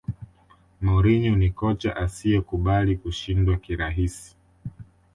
mourinho ni kocha asiyekubali kushindwa kirahisi